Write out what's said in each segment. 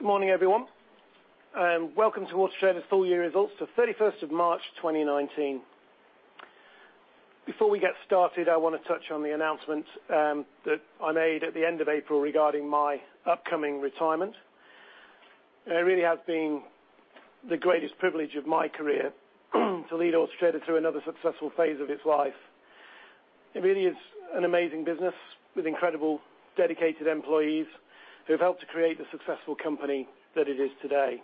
Good morning, everyone, and welcome to Auto Trader's full year results for 31st of March 2019. Before we get started, I want to touch on the announcement that I made at the end of April regarding my upcoming retirement. It really has been the greatest privilege of my career to lead Auto Trader through another successful phase of its life. It really is an amazing business with incredible dedicated employees who have helped to create the successful company that it is today.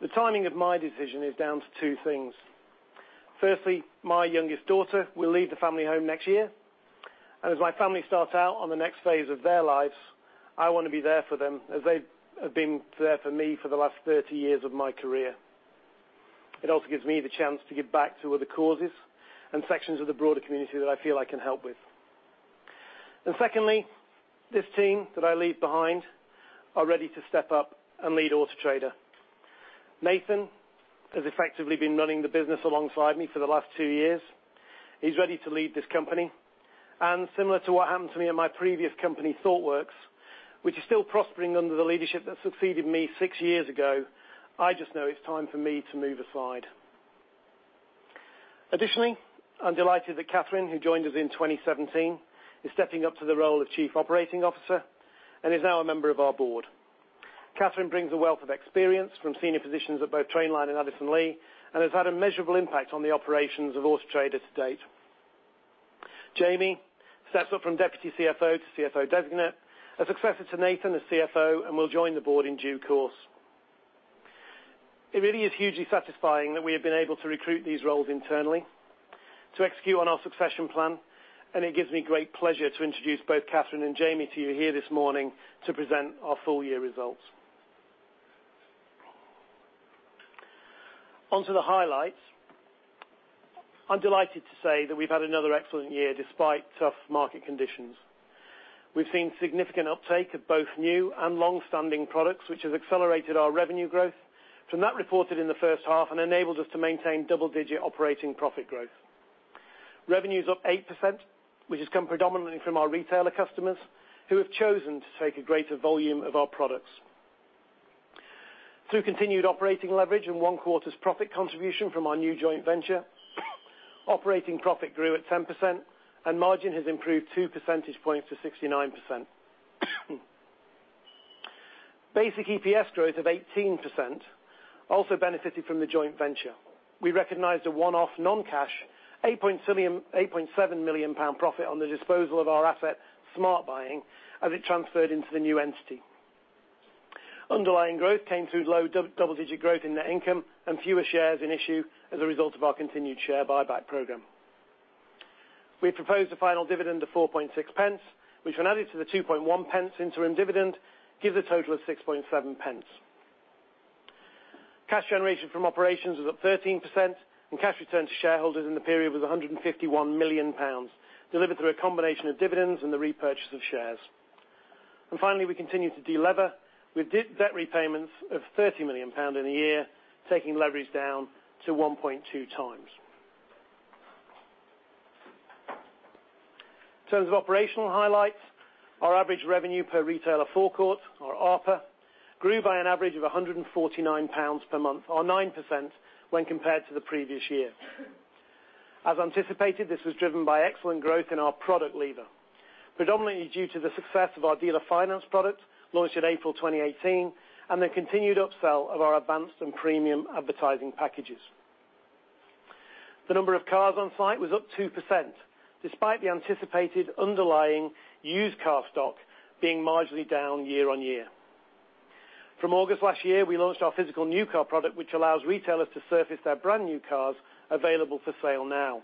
The timing of my decision is down to two things. Firstly, my youngest daughter will leave the family home next year, and as my family start out on the next phase of their lives, I want to be there for them as they have been there for me for the last 30 years of my career. Secondly, this team that I leave behind are ready to step up and lead Auto Trader. Nathan has effectively been running the business alongside me for the last two years. He's ready to lead this company, and similar to what happened to me at my previous company, Thoughtworks, which is still prospering under the leadership that succeeded me six years ago, I just know it's time for me to move aside. Additionally, I'm delighted that Catherine, who joined us in 2017, is stepping up to the role of Chief Operating Officer and is now a member of our board. Catherine brings a wealth of experience from senior positions at both Trainline and Addison Lee, and has had a measurable impact on the operations of Auto Trader to date. Jamie steps up from Deputy CFO to CFO Designate, a successor to Nathan as CFO, and will join the board in due course. It really is hugely satisfying that we have been able to recruit these roles internally to execute on our succession plan, and it gives me great pleasure to introduce both Catherine and Jamie to you here this morning to present our full year results. On to the highlights. I'm delighted to say that we've had another excellent year despite tough market conditions. We've seen significant uptake of both new and long-standing products, which has accelerated our revenue growth from that reported in the first half, and enabled us to maintain double-digit operating profit growth. Revenue's up 8%, which has come predominantly from our retailer customers who have chosen to take a greater volume of our products. Through continued operating leverage and one quarter's profit contribution from our new joint venture, operating profit grew at 10% and margin has improved two percentage points to 69%. Basic EPS growth of 18% also benefited from the joint venture. We recognized a one-off non-cash 8.7 million pound profit on the disposal of our asset, Smart Buying, as it transferred into the new entity. Underlying growth came through low double-digit growth in net income and fewer shares in issue as a result of our continued share buyback program. We proposed a final dividend of 0.046, which when added to the 0.021 interim dividend, gives a total of 0.067. Cash generation from operations was up 13%. Cash return to shareholders in the period was 151 million pounds, delivered through a combination of dividends and the repurchase of shares. Finally, we continue to delever with debt repayments of GBP 30 million in the year, taking leverage down to 1.2 times. In terms of operational highlights, our average revenue per retailer forecourt, or ARPF, grew by an average of 149 pounds per month or 9% when compared to the previous year. As anticipated, this was driven by excellent growth in our product leader, predominantly due to the success of our dealer finance product launched in April 2018, and the continued upsell of our advanced and premium advertising packages. The number of cars on site was up 2%, despite the anticipated underlying used car stock being marginally down year-on-year. From August last year, we launched our physical new car product, which allows retailers to surface their brand-new cars available for sale now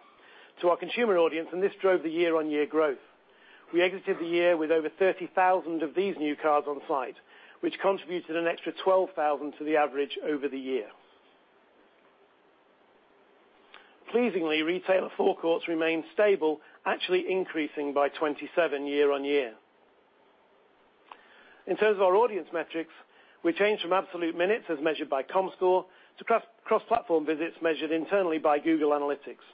to our consumer audience, and this drove the year-on-year growth. We exited the year with over 30,000 of these new cars on site, which contributed an extra 12,000 to the average over the year. Pleasingly, retailer forecourts remain stable, actually increasing by 27 year-on-year. In terms of our audience metrics, we changed from absolute minutes as measured by Comscore to cross-platform visits measured internally by Google Analytics.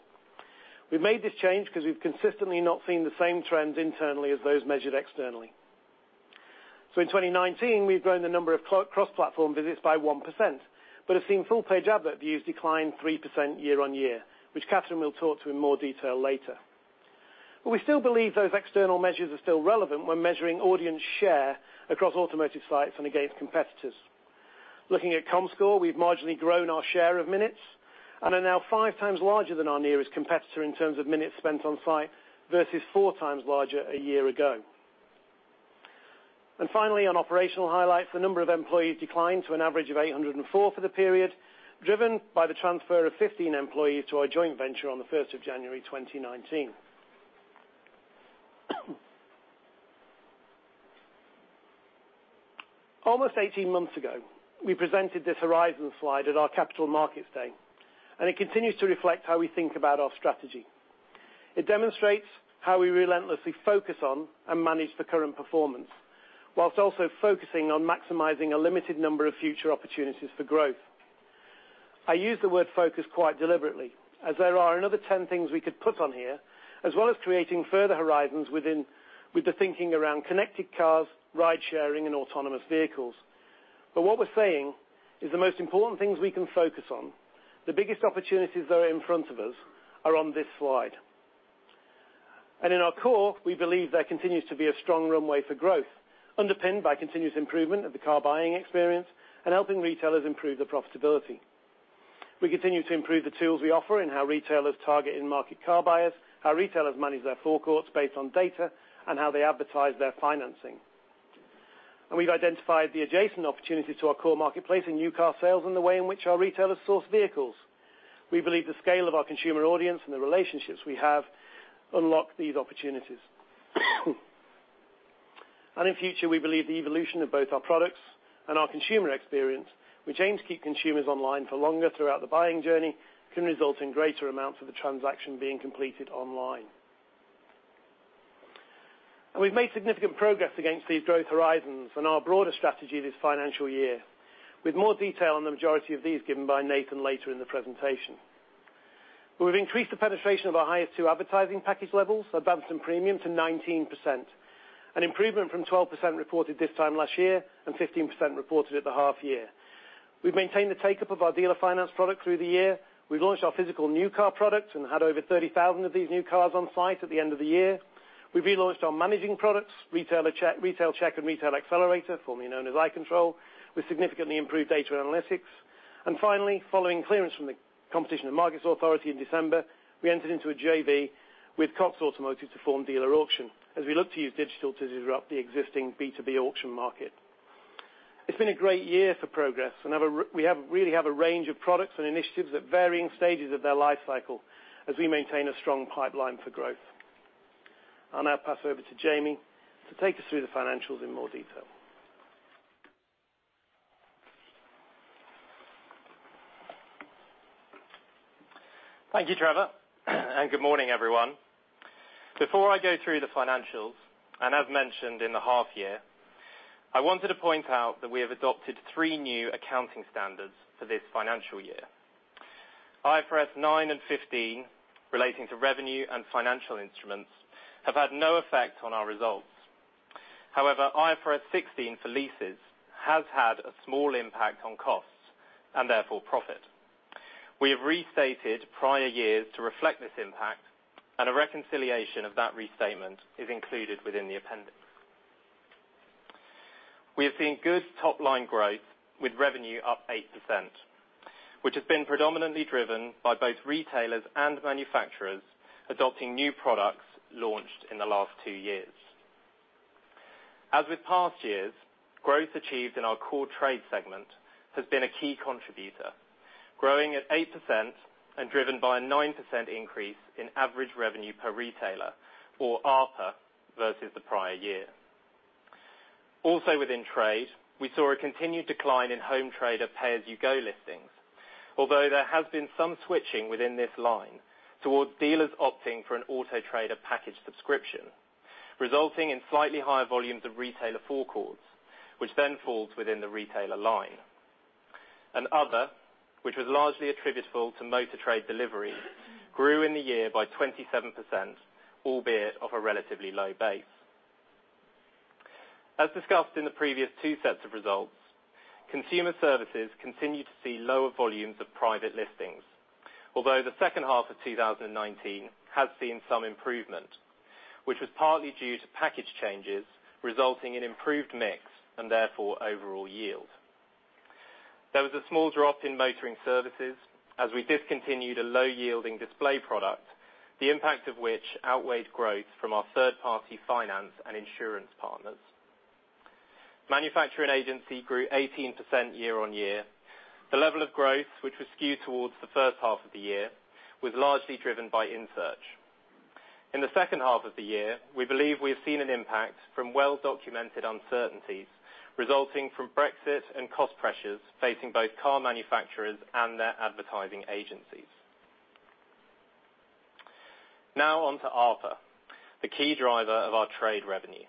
We made this change because we've consistently not seen the same trends internally as those measured externally. In 2019, we've grown the number of cross-platform visits by 1%, but have seen full-page advert views decline 3% year-on-year, which Catherine will talk to in more detail later. We still believe those external measures are still relevant when measuring audience share across automotive sites and against competitors. Looking at Comscore, we've marginally grown our share of minutes and are now five times larger than our nearest competitor in terms of minutes spent on site, versus four times larger a year ago. Finally, on operational highlights, the number of employees declined to an average of 804 for the period, driven by the transfer of 15 employees to our joint venture on the 1st of January 2019. Almost 18 months ago, we presented this horizon slide at our capital markets day, and it continues to reflect how we think about our strategy. It demonstrates how we relentlessly focus on and manage the current performance whilst also focusing on maximizing a limited number of future opportunities for growth. I use the word focus quite deliberately, as there are another 10 things we could put on here, as well as creating further horizons with the thinking around connected cars, ride sharing, and autonomous vehicles. What we're saying is the most important things we can focus on, the biggest opportunities that are in front of us, are on this slide. In our core, we believe there continues to be a strong runway for growth, underpinned by continuous improvement of the car buying experience and helping retailers improve their profitability. We continue to improve the tools we offer in how retailers target in-market car buyers, how retailers manage their forecourts based on data, and how they advertise their financing. We've identified the adjacent opportunity to our core marketplace in new car sales and the way in which our retailers source vehicles. We believe the scale of our consumer audience and the relationships we have unlock these opportunities. In future, we believe the evolution of both our products and our consumer experience, which aims to keep consumers online for longer throughout the buying journey, can result in greater amounts of the transaction being completed online. We've made significant progress against these growth horizons in our broader strategy this financial year, with more detail on the majority of these given by Nathan later in the presentation. We've increased the penetration of our highest two advertising package levels, Advanced and Premium, to 19%, an improvement from 12% reported this time last year and 15% reported at the half year. We've maintained the take-up of our dealer finance product through the year. We've launched our physical new car product and had over 30,000 of these new cars on site at the end of the year. We've relaunched our managing products, Retail Check and Retail Accelerator, formerly known as i-Control, with significantly improved data analytics. Finally, following clearance from the Competition and Markets Authority in December, we entered into a JV with Cox Automotive to form Dealer Auction, as we look to use digital to disrupt the existing B2B auction market. It's been a great year for progress, and we really have a range of products and initiatives at varying stages of their life cycle as we maintain a strong pipeline for growth. I'll now pass over to Jamie to take us through the financials in more detail. Thank you, Trevor, and good morning, everyone. Before I go through the financials, as mentioned in the half year, I wanted to point out that we have adopted three new accounting standards for this financial year. IFRS 9 and 15, relating to revenue and financial instruments, have had no effect on our results. However, IFRS 16 for leases has had a small impact on costs, and therefore profit. We have restated prior years to reflect this impact, and a reconciliation of that restatement is included within the appendix. We have seen good top-line growth, with revenue up 8%, which has been predominantly driven by both retailers and manufacturers adopting new products launched in the last two years. As with past years, growth achieved in our core trade segment has been a key contributor, growing at 8% and driven by a 9% increase in average revenue per retailer or ARPA, versus the prior year. Also within trade, we saw a continued decline in home trader pay-as-you-go listings. Although there has been some switching within this line towards dealers opting for an Auto Trader package subscription, resulting in slightly higher volumes of retailer forecourts, which then falls within the retailer line. Other, which was largely attributable to Motor Trade Delivery, grew in the year by 27%, albeit off a relatively low base. As discussed in the previous two sets of results, consumer services continued to see lower volumes of private listings. Although the second half of 2019 has seen some improvement, which was partly due to package changes, resulting in improved mix and therefore overall yield. There was a small drop in motoring services as we discontinued a low-yielding display product, the impact of which outweighed growth from our third-party finance and insurance partners. Manufacturer and agency grew 18% year-on-year. The level of growth, which was skewed towards the first half of the year, was largely driven by in search. In the second half of the year, we believe we have seen an impact from well-documented uncertainties resulting from Brexit and cost pressures facing both car manufacturers and their advertising agencies. Now on to ARPA, the key driver of our trade revenue.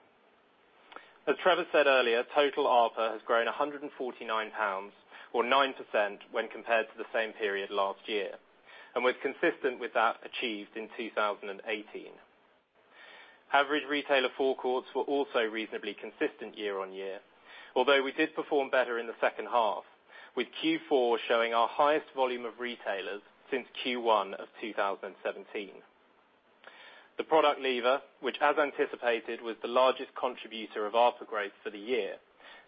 As Trevor said earlier, total ARPA has grown 149 pounds or 9% when compared to the same period last year, and was consistent with that achieved in 2018. Average retailer forecourts were also reasonably consistent year-on-year, although we did perform better in the second half, with Q4 showing our highest volume of retailers since Q1 of 2017. The product lever, which as anticipated, was the largest contributor of ARPA growth for the year,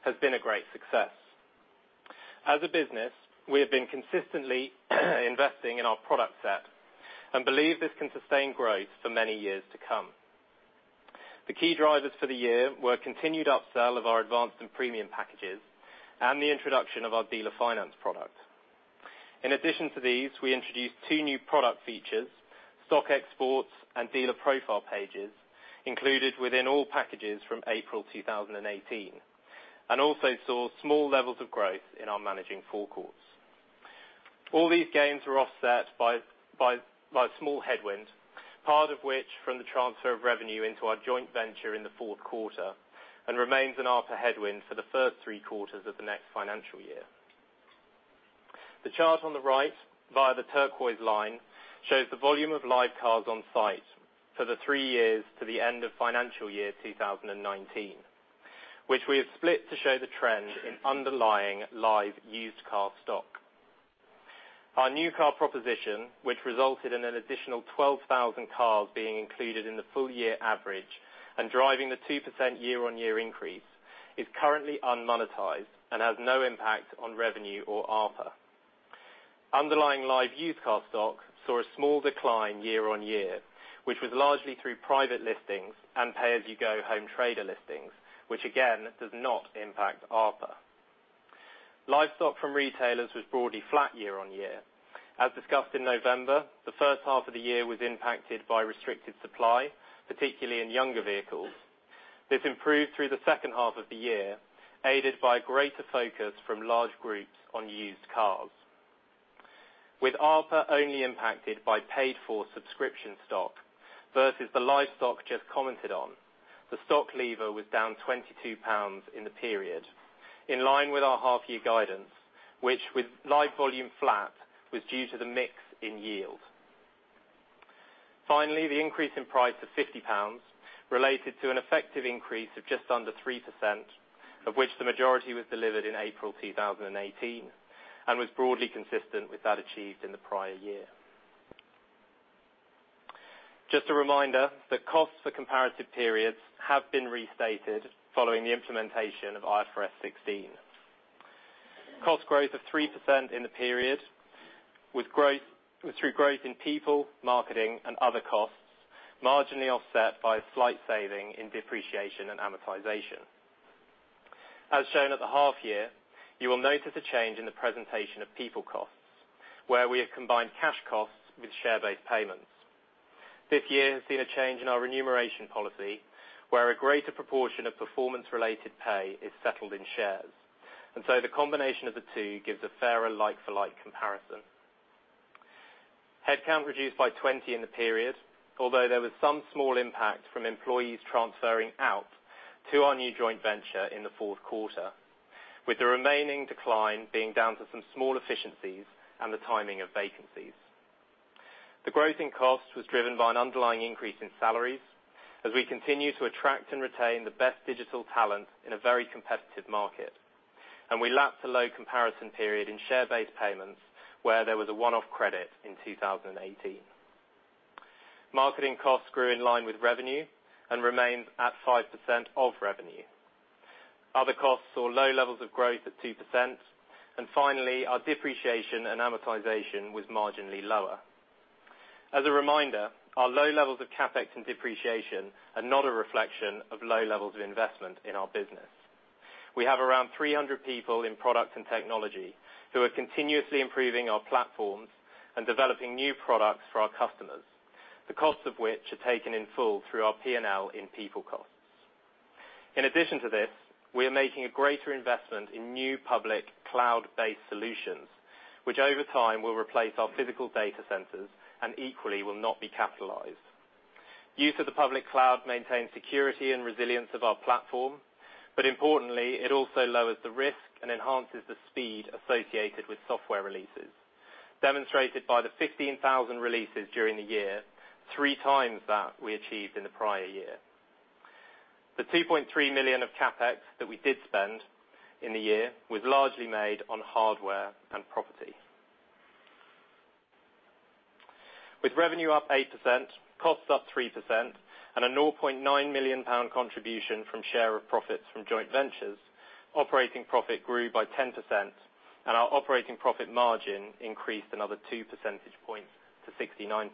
has been a great success. As a business, we have been consistently investing in our product set and believe this can sustain growth for many years to come. The key drivers for the year were continued upsell of our Advanced and Premium packages and the introduction of our dealer finance product. In addition to these, we introduced two new product features, stock exports and dealer profile pages, included within all packages from April 2018, and also saw small levels of growth in our managing forecourts. All these gains were offset by a small headwind, part of which from the transfer of revenue into our joint venture in the fourth quarter, and remains an ARPA headwind for the first three quarters of the next financial year. The chart on the right, via the turquoise line, shows the volume of live cars on site for the three years to the end of financial year 2019, which we have split to show the trend in underlying live used car stock. Our new car proposition, which resulted in an additional 12,000 cars being included in the full year average and driving the 2% year-on-year increase, is currently unmonetized and has no impact on revenue or ARPA. Underlying live used car stock saw a small decline year-on-year, which was largely through private listings and pay-as-you-go home trader listings, which again does not impact ARPA. Live stock from retailers was broadly flat year-on-year. As discussed in November, the first half of the year was impacted by restricted supply, particularly in younger vehicles. This improved through the second half of the year, aided by greater focus from large groups on used cars. With ARPA only impacted by paid for subscription stock versus the live stock just commented on, the stock lever was down GBP 22 in the period. In line with our half year guidance, which with live volume flat, was due to the mix in yield. Finally, the increase in price of 50 pounds related to an effective increase of just under 3%, of which the majority was delivered in April 2018, and was broadly consistent with that achieved in the prior year. Just a reminder, the costs for comparative periods have been restated following the implementation of IFRS 16. Cost growth of 3% in the period through growth in people, marketing, and other costs, marginally offset by a slight saving in depreciation and amortization. As shown at the half year, you will notice a change in the presentation of people costs, where we have combined cash costs with share-based payments. This year has seen a change in our remuneration policy, where a greater proportion of performance-related pay is settled in shares. The combination of the two gives a fairer like-for-like comparison. Headcount reduced by 20 in the period, although there was some small impact from employees transferring out to our new joint venture in the fourth quarter, with the remaining decline being down to some small efficiencies and the timing of vacancies. The growth in costs was driven by an underlying increase in salaries as we continue to attract and retain the best digital talent in a very competitive market. We lapped a low comparison period in share-based payments where there was a one-off credit in 2018. Marketing costs grew in line with revenue and remained at 5% of revenue. Other costs saw low levels of growth at 2%. Finally, our depreciation and amortization was marginally lower. As a reminder, our low levels of CapEx and depreciation are not a reflection of low levels of investment in our business. We have around 300 people in product and technology who are continuously improving our platforms and developing new products for our customers, the costs of which are taken in full through our P&L in people costs. In addition to this, we are making a greater investment in new public cloud-based solutions, which over time will replace our physical data centers and equally will not be capitalized. Use of the public cloud maintains security and resilience of our platform, but importantly, it also lowers the risk and enhances the speed associated with software releases, demonstrated by the 15,000 releases during the year, three times that we achieved in the prior year. The 2.3 million of CapEx that we did spend in the year was largely made on hardware and property. With revenue up 8%, costs up 3%, and a 0.9 million pound contribution from share of profits from joint ventures, operating profit grew by 10%, and our operating profit margin increased another two percentage points to 69%.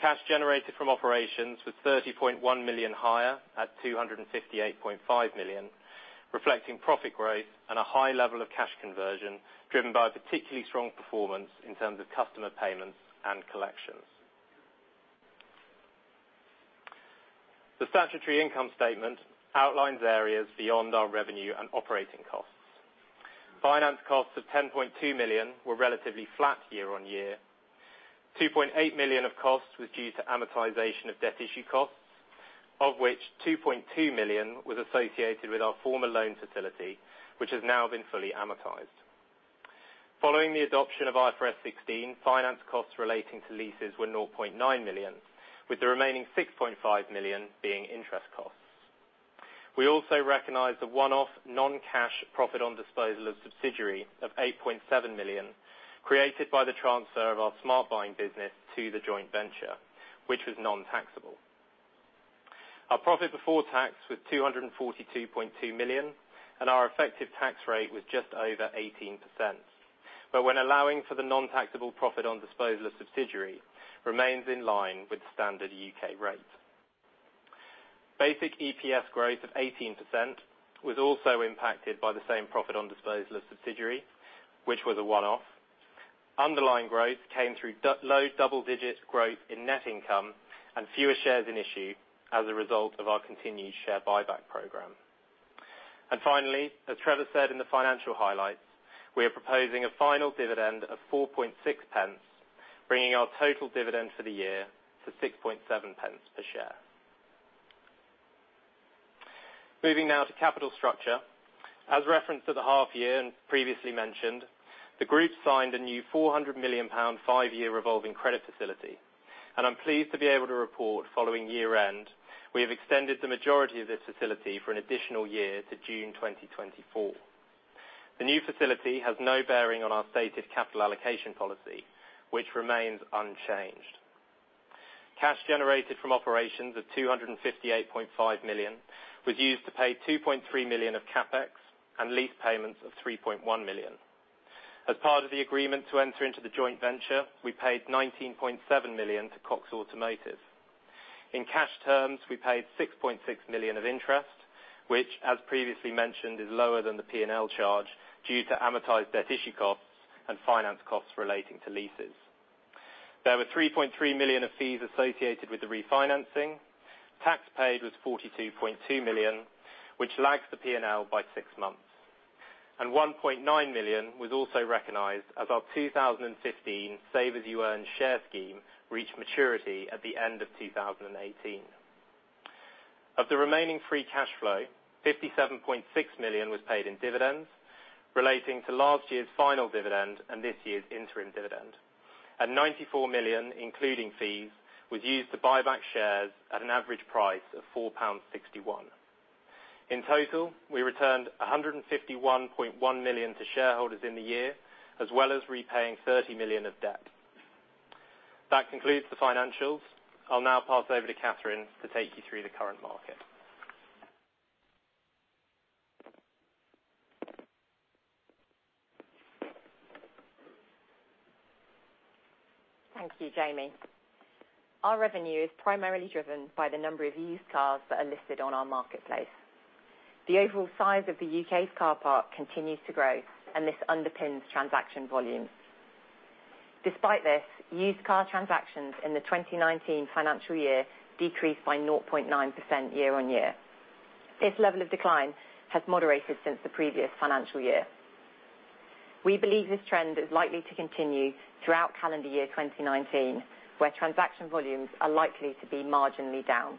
Cash generated from operations was 30.1 million higher at 258.5 million, reflecting profit growth and a high level of cash conversion driven by particularly strong performance in terms of customer payments and collections. The statutory income statement outlines areas beyond our revenue and operating costs. Finance costs of 10.2 million were relatively flat year-on-year. 2.8 million of costs was due to amortization of debt issue costs, of which 2.2 million was associated with our former loan facility, which has now been fully amortized. Following the adoption of IFRS 16, finance costs relating to leases were 0.9 million, with the remaining 6.5 million being interest costs. We also recognized a one-off non-cash profit on disposal of subsidiary of 8.7 million created by the transfer of our Smart Buying business to the joint venture, which was non-taxable. Our profit before tax was 242.2 million, and our effective tax rate was just over 18%. When allowing for the non-taxable profit on disposal of subsidiary, it remains in line with standard U.K. rate. Basic EPS growth of 18% was also impacted by the same profit on disposal of subsidiary, which was a one-off. Underlying growth came through low double-digit growth in net income and fewer shares in issue as a result of our continued share buyback program. Finally, as Trevor said in the financial highlights, we are proposing a final dividend of 0.046, bringing our total dividend for the year to 0.067 per share. Moving now to capital structure. As referenced at the half year and previously mentioned, the group signed a new GBP 400 million, five-year revolving credit facility. I'm pleased to be able to report following year-end, we have extended the majority of this facility for an additional year to June 2024. The new facility has no bearing on our stated capital allocation policy, which remains unchanged. Cash generated from operations of 258.5 million was used to pay 2.3 million of CapEx and lease payments of 3.1 million. As part of the agreement to enter into the joint venture, we paid 19.7 million to Cox Automotive. In cash terms, we paid 6.6 million of interest, which, as previously mentioned, is lower than the P&L charge due to amortized debt issue costs and finance costs relating to leases. There were 3.3 million of fees associated with the refinancing. Tax paid was 42.2 million, which lags the P&L by six months. 1.9 million was also recognized as our 2015 Save As You Earn share scheme reached maturity at the end of 2018. Of the remaining free cash flow, 57.6 million was paid in dividends relating to last year's final dividend and this year's interim dividend. 94 million, including fees, was used to buy back shares at an average price of GBP 4.61. In total, we returned 151.1 million to shareholders in the year, as well as repaying 30 million of debt. That concludes the financials. I'll now pass over to Catherine to take you through the current market. Thank you, Jamie. Our revenue is primarily driven by the number of used cars that are listed on our marketplace. The overall size of the U.K.'s car park continues to grow, and this underpins transaction volumes. Despite this, used car transactions in the 2019 financial year decreased by 0.9% year-on-year. This level of decline has moderated since the previous financial year. We believe this trend is likely to continue throughout calendar year 2019, where transaction volumes are likely to be marginally down.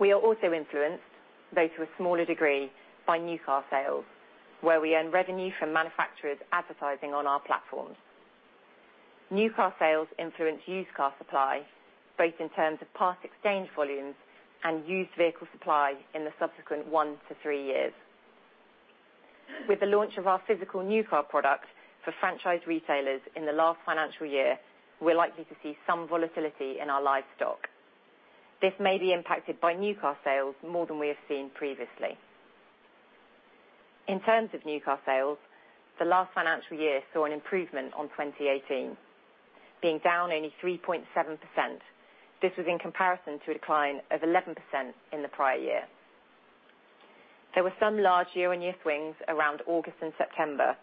We are also influenced, though to a smaller degree, by new car sales, where we earn revenue from manufacturers advertising on our platforms. New car sales influence used car supply, both in terms of part exchange volumes and used vehicle supply in the subsequent one to three years. With the launch of our physical new car product for franchise retailers in the last financial year, we're likely to see some volatility in our livestock. This may be impacted by new car sales more than we have seen previously. In terms of new car sales, the last financial year saw an improvement on 2018, being down only 3.7%. This was in comparison to a decline of 11% in the prior year. There were some large year-on-year swings around August and September.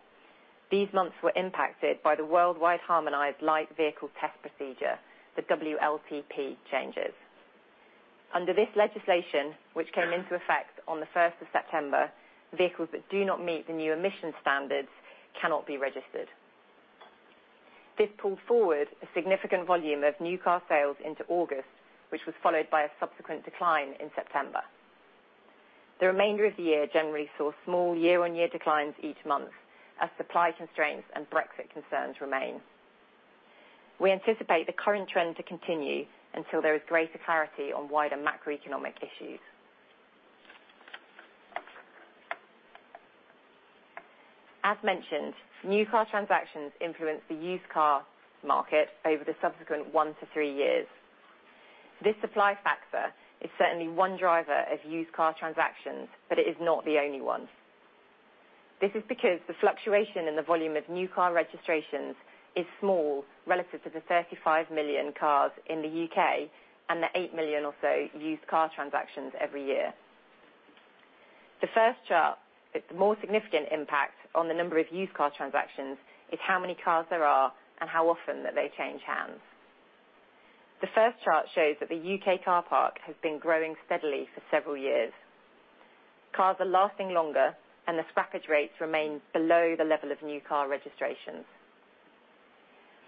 These months were impacted by the Worldwide Harmonized Light Vehicle Test Procedure, the WLTP changes. Under this legislation, which came into effect on the 1st of September, vehicles that do not meet the new emission standards cannot be registered. This pulled forward a significant volume of new car sales into August, which was followed by a subsequent decline in September. The remainder of the year generally saw small year-on-year declines each month as supply constraints and Brexit concerns remain. We anticipate the current trend to continue until there is greater clarity on wider macroeconomic issues. As mentioned, new car transactions influence the used car market over the subsequent one to three years. This supply factor is certainly one driver of used car transactions, but it is not the only one. This is because the fluctuation in the volume of new car registrations is small relative to the 35 million cars in the U.K. and the eight million or so used car transactions every year. The first chart, with the more significant impact on the number of used car transactions, is how many cars there are and how often that they change hands. The first chart shows that the U.K. car park has been growing steadily for several years. Cars are lasting longer, the scrappage rates remain below the level of new car registrations.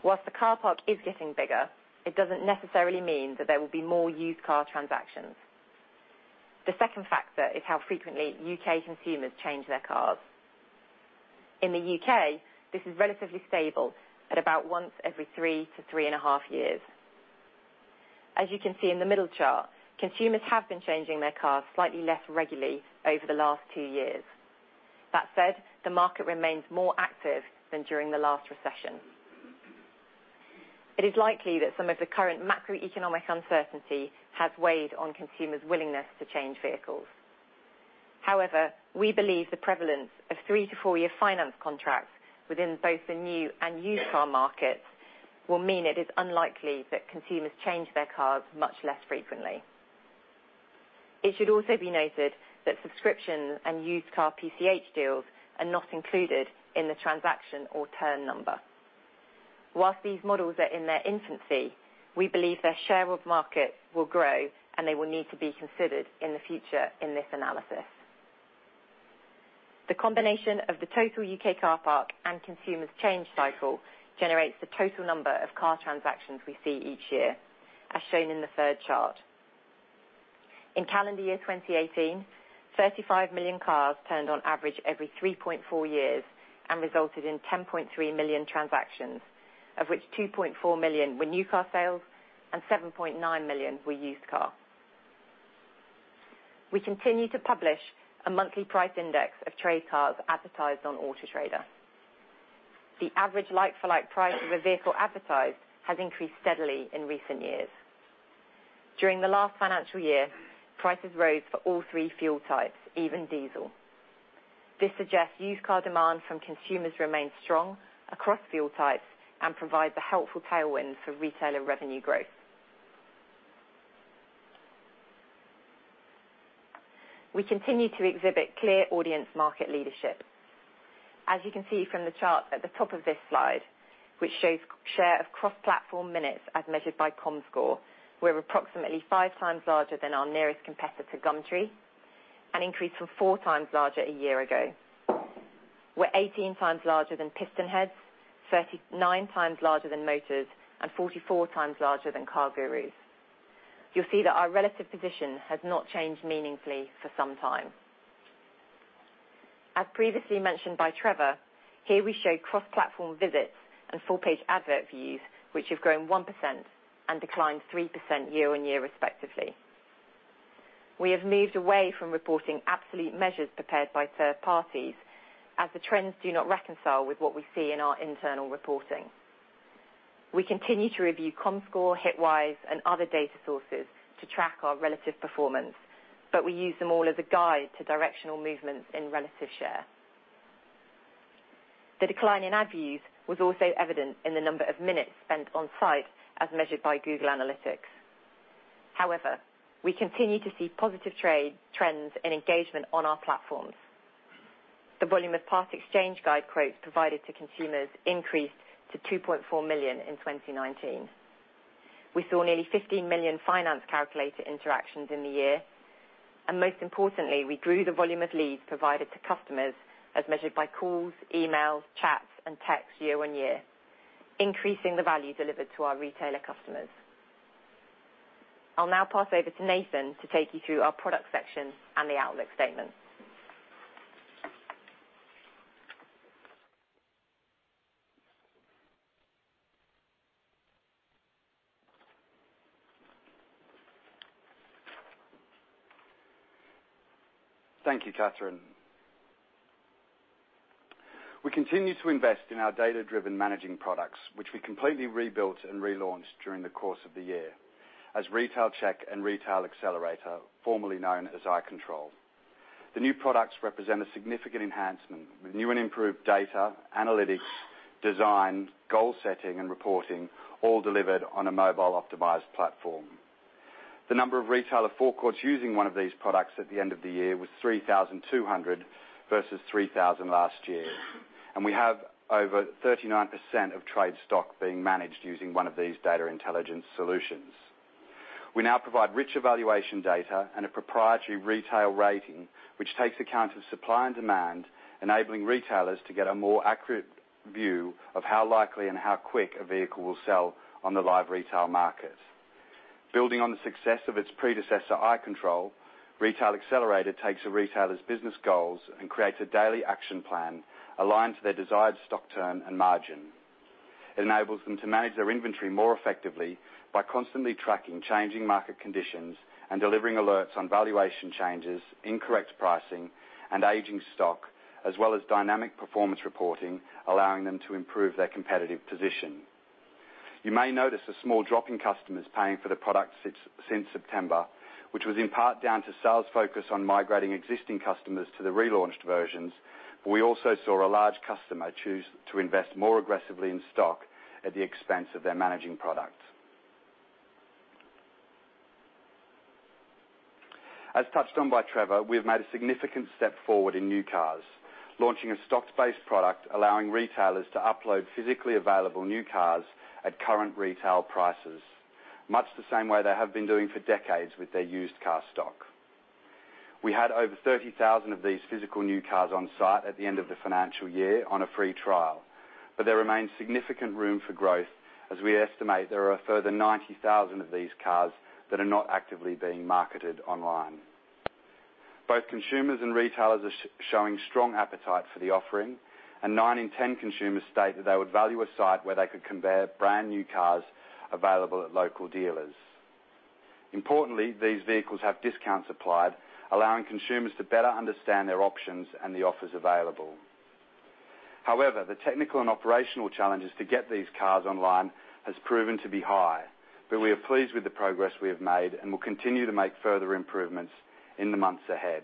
Whilst the car park is getting bigger, it doesn't necessarily mean that there will be more used car transactions. The second factor is how frequently U.K. consumers change their cars. In the U.K., this is relatively stable at about once every three to three and a half years. As you can see in the middle chart, consumers have been changing their cars slightly less regularly over the last two years. That said, the market remains more active than during the last recession. It is likely that some of the current macroeconomic uncertainty has weighed on consumers' willingness to change vehicles. However, we believe the prevalence of three to four-year finance contracts within both the new and used car markets will mean it is unlikely that consumers change their cars much less frequently. It should also be noted that subscription and used car PCH deals are not included in the transaction or turn number. Whilst these models are in their infancy, we believe their share of market will grow, they will need to be considered in the future in this analysis. The combination of the total U.K. car park and consumers' change cycle generates the total number of car transactions we see each year, as shown in the third chart. In calendar year 2018, 35 million cars turned on average every 3.4 years and resulted in 10.3 million transactions, of which 2.4 million were new car sales and 7.9 million were used cars. We continue to publish a monthly price index of trade cars advertised on Auto Trader. The average like-for-like price of a vehicle advertised has increased steadily in recent years. During the last financial year, prices rose for all three fuel types, even diesel. This suggests used car demand from consumers remains strong across fuel types and provides a helpful tailwind for retailer revenue growth. We continue to exhibit clear audience market leadership. As you can see from the chart at the top of this slide, which shows share of cross-platform minutes as measured by Comscore, we're approximately five times larger than our nearest competitor, Gumtree, an increase from four times larger a year ago. We're 18 times larger than PistonHeads, 39 times larger than Motors, and 44 times larger than CarGurus. You'll see that our relative position has not changed meaningfully for some time. As previously mentioned by Trevor, here we show cross-platform visits and full-page advert views, which have grown 1% and declined 3% year-on-year respectively. We have moved away from reporting absolute measures prepared by third parties, as the trends do not reconcile with what we see in our internal reporting. We continue to review Comscore, Hitwise, and other data sources to track our relative performance, but we use them all as a guide to directional movements in relative share. The decline in ad views was also evident in the number of minutes spent on-site, as measured by Google Analytics. However, we continue to see positive trends in engagement on our platforms. The volume of Part Exchange Guide quotes provided to consumers increased to 2.4 million in 2019. We saw nearly 15 million finance calculator interactions in the year, and most importantly, we grew the volume of leads provided to customers, as measured by calls, emails, chats, and texts year-on-year, increasing the value delivered to our retailer customers. I'll now pass over to Nathan to take you through our product section and the outlook statement. Thank you, Catherine. We continue to invest in our data-driven managing products, which we completely rebuilt and relaunched during the course of the year as Retail Check and Retail Accelerator, formerly known as i-Control. The new products represent a significant enhancement with new and improved data analytics, design, goal setting, and reporting, all delivered on a mobile-optimized platform. The number of retailer forecourts using one of these products at the end of the year was 3,200 versus 3,000 last year. We have over 39% of trade stock being managed using one of these data intelligence solutions. We now provide rich evaluation data and a proprietary retail rating, which takes account of supply and demand, enabling retailers to get a more accurate view of how likely and how quick a vehicle will sell on the live retail market. Building on the success of its predecessor, i-Control, Retail Accelerator takes a retailer's business goals and creates a daily action plan aligned to their desired stock turn and margin. It enables them to manage their inventory more effectively by constantly tracking changing market conditions and delivering alerts on valuation changes, incorrect pricing, and aging stock, as well as dynamic performance reporting, allowing them to improve their competitive position. You may notice a small drop in customers paying for the product since September, which was in part down to sales focus on migrating existing customers to the relaunched versions, but we also saw a large customer choose to invest more aggressively in stock at the expense of their managing product. As touched on by Trevor, we have made a significant step forward in new cars, launching a stocks-based product, allowing retailers to upload physically available new cars at current retail prices, much the same way they have been doing for decades with their used car stock. We had over 30,000 of these physical new cars on site at the end of the financial year on a free trial. There remains significant room for growth, as we estimate there are a further 90,000 of these cars that are not actively being marketed online. Both consumers and retailers are showing strong appetite for the offering, and nine in 10 consumers state that they would value a site where they could compare brand-new cars available at local dealers. Importantly, these vehicles have discounts applied, allowing consumers to better understand their options and the offers available. However, the technical and operational challenges to get these cars online has proven to be high. We are pleased with the progress we have made and will continue to make further improvements in the months ahead.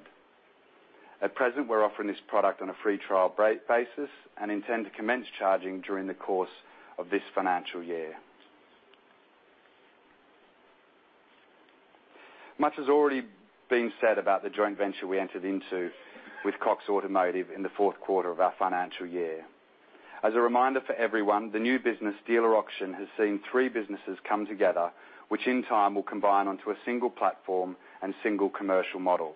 At present, we're offering this product on a free trial basis and intend to commence charging during the course of this financial year. Much has already been said about the joint venture we entered into with Cox Automotive in the fourth quarter of our financial year. As a reminder for everyone, the new business Dealer Auction has seen three businesses come together, which in time will combine onto a single platform and single commercial model.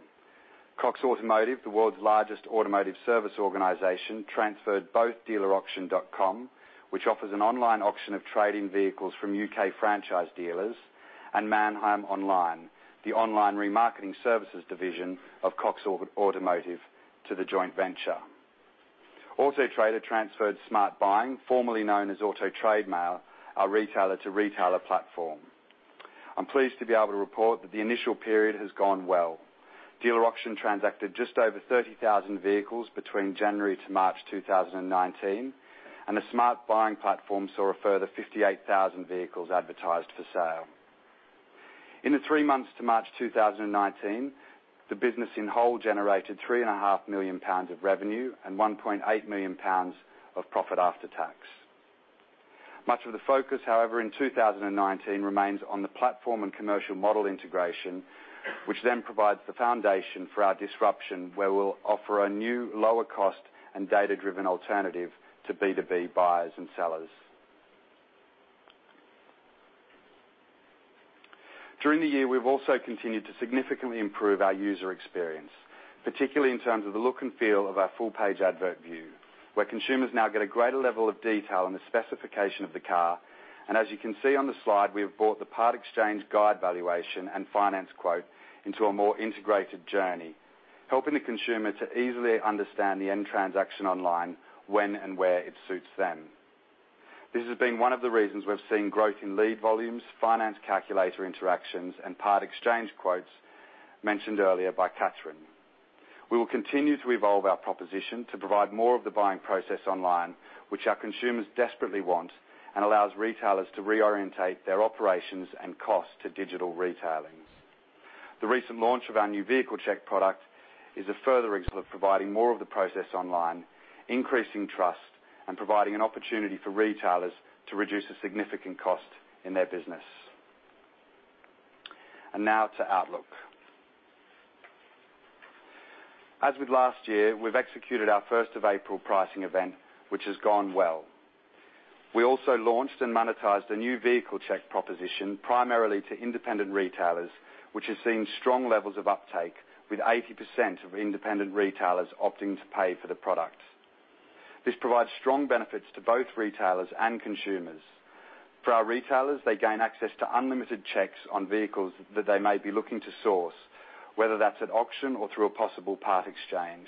Cox Automotive, the world's largest automotive service organization, transferred both Dealer-Auction.com, which offers an online auction of trading vehicles from U.K. franchise dealers, and Manheim Online, the online remarketing services division of Cox Automotive, to the joint venture. Auto Trader transferred Smart Buying, formerly known as AutoTrade Mail, our retailer-to-retailer platform. I'm pleased to be able to report that the initial period has gone well. Dealer Auction transacted just over 30,000 vehicles between January to March 2019, and the Smart Buying platform saw a further 58,000 vehicles advertised for sale. In the three months to March 2019, the business in whole generated 3.5 million pounds of revenue and 1.8 million pounds of profit after tax. Much of the focus, however, in 2019 remains on the platform and commercial model integration, which then provides the foundation for our disruption, where we'll offer a new lower cost and data-driven alternative to B2B buyers and sellers. During the year, we've also continued to significantly improve our user experience, particularly in terms of the look and feel of our full-page advert view, where consumers now get a greater level of detail on the specification of the car. As you can see on the slide, we have brought the Part Exchange Guide valuation and finance quote into a more integrated journey, helping the consumer to easily understand the end transaction online, when and where it suits them. This has been one of the reasons we've seen growth in lead volumes, finance calculator interactions, and part exchange quotes mentioned earlier by Catherine. We will continue to evolve our proposition to provide more of the buying process online, which our consumers desperately want and allows retailers to reorientate their operations and cost to digital retailing. The recent launch of our new vehicle check product is a further example of providing more of the process online, increasing trust, and providing an opportunity for retailers to reduce a significant cost in their business. Now to outlook. As with last year, we've executed our 1st of April pricing event, which has gone well. We also launched and monetized a new vehicle check proposition primarily to independent retailers, which has seen strong levels of uptake, with 80% of independent retailers opting to pay for the product. This provides strong benefits to both retailers and consumers. For our retailers, they gain access to unlimited checks on vehicles that they may be looking to source, whether that's at auction or through a possible part exchange.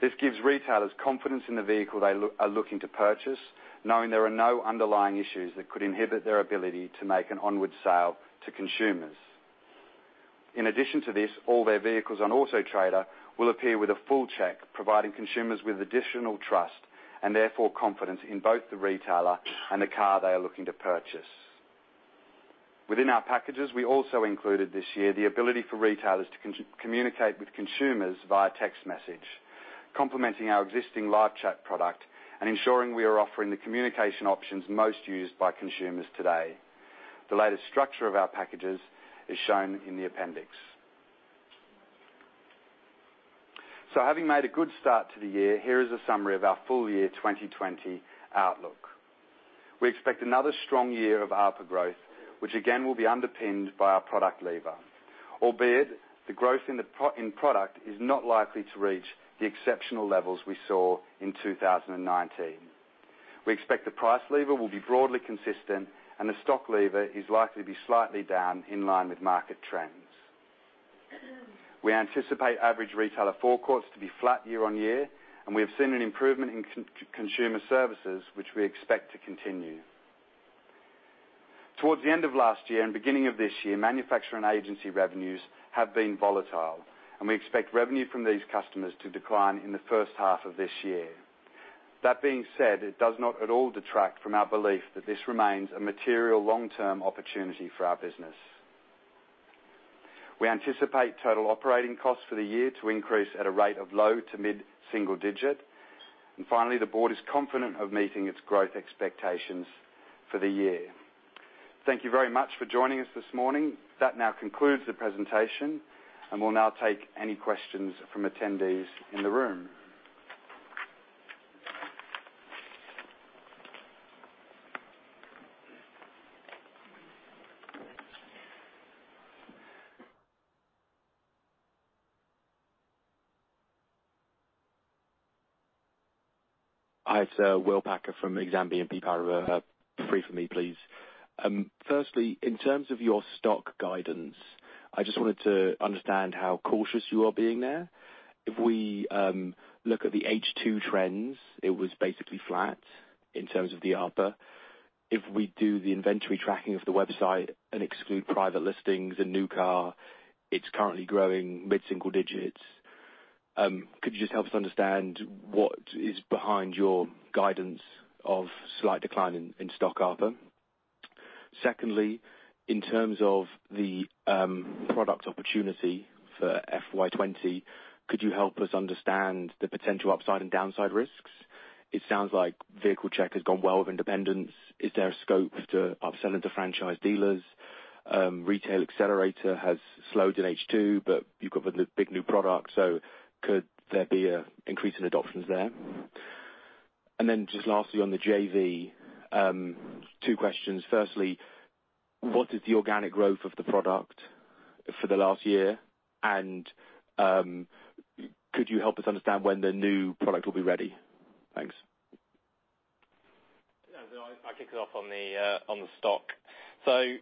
This gives retailers confidence in the vehicle they are looking to purchase, knowing there are no underlying issues that could inhibit their ability to make an onward sale to consumers. In addition to this, all their vehicles on Auto Trader will appear with a full check, providing consumers with additional trust, and therefore confidence in both the retailer and the car they are looking to purchase. Within our packages, we also included this year the ability for retailers to communicate with consumers via text message, complementing our existing live chat product and ensuring we are offering the communication options most used by consumers today. The latest structure of our packages is shown in the appendix. Having made a good start to the year, here is a summary of our full year 2020 outlook. We expect another strong year of ARPA growth, which again will be underpinned by our product lever. Albeit, the growth in product is not likely to reach the exceptional levels we saw in 2019. We expect the price lever will be broadly consistent, the stock lever is likely to be slightly down in line with market trends. We anticipate average retailer forecourts to be flat year-on-year, we have seen an improvement in consumer services, which we expect to continue. Towards the end of last year and beginning of this year, manufacturer and agency revenues have been volatile, we expect revenue from these customers to decline in the first half of this year. That being said, it does not at all detract from our belief that this remains a material long-term opportunity for our business. We anticipate total operating costs for the year to increase at a rate of low to mid-single digit. Finally, the board is confident of meeting its growth expectations for the year. Thank you very much for joining us this morning. That now concludes the presentation, and we'll now take any questions from attendees in the room. Hi, sir. William Packer from Exane BNP Paribas. Three from me, please. Firstly, in terms of your stock guidance, I just wanted to understand how cautious you are being there. If we look at the H2 trends, it was basically flat in terms of the ARPA. If we do the inventory tracking of the website and exclude private listings and new car, it's currently growing mid-single digits. Could you just help us understand what is behind your guidance of slight decline in stock ARPA? Secondly, in terms of the product opportunity for FY 2020, could you help us understand the potential upside and downside risks? It sounds like vehicle check has gone well with independents. Is there a scope to upselling to franchise dealers? Retail Accelerator has slowed in H2, but you've got the big new product, so could there be an increase in adoptions there? Lastly, on the JV, two questions. Firstly, what is the organic growth of the product for the last year? Could you help us understand when the new product will be ready? Thanks. Yeah. I'll kick it off on the stock. I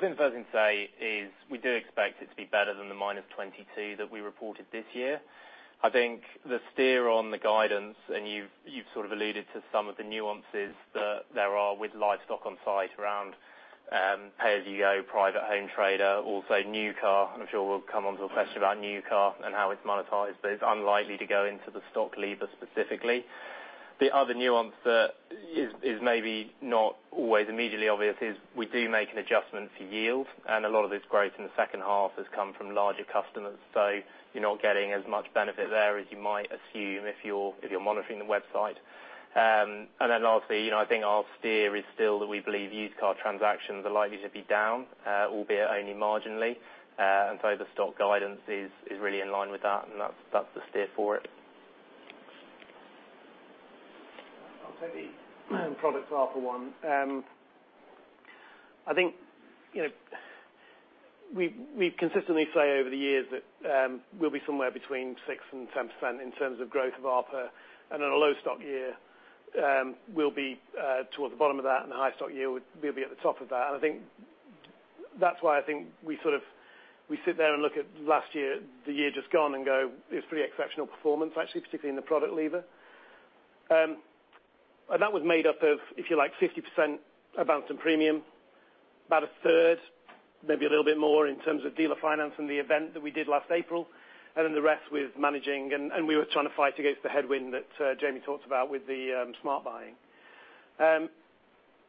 think the first thing to say is we do expect it to be better than the minus 22 that we reported this year. I think the steer on the guidance. You've sort of alluded to some of the nuances that there are with live stock on site around pay as you go, private home trader, also new car. I'm sure we'll come onto a question about new car and how it's monetized, but it's unlikely to go into the stock lever specifically. The other nuance that is maybe not always immediately obvious is we do make an adjustment for yield. A lot of this growth in the second half has come from larger customers. You're not getting as much benefit there as you might assume if you're monitoring the website. Lastly, I think our steer is still that we believe used car transactions are likely to be down, albeit only marginally. The stock guidance is really in line with that, and that's the steer for it. I'll take the product ARPU one. I think we consistently say over the years that we'll be somewhere between 6% and 10% in terms of growth of ARPU. On a low stock year, we'll be towards the bottom of that, and a high stock year, we'll be at the top of that. I think that's why I think we sit there and look at last year, the year just gone, and go, it was pretty exceptional performance actually, particularly in the product lever. That was made up of, if you like, 50% advance and premium, about a third, maybe a little bit more in terms of dealer finance in the event that we did last April. The rest with managing, and we were trying to fight against the headwind that Jamie talked about with the Smart Buying.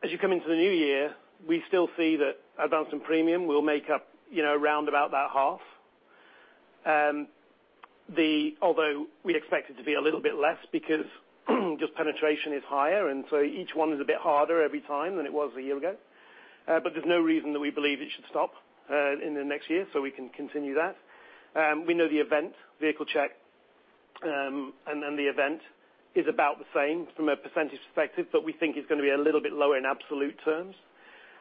As you come into the new year, we still see that advance and premium will make up around about that half. Although we expect it to be a little bit less because just penetration is higher, so each one is a bit harder every time than it was a year ago. There's no reason that we believe it should stop in the next year, so we can continue that. We know the event, vehicle check, and then the event is about the same from a percentage perspective, but we think it's going to be a little bit lower in absolute terms.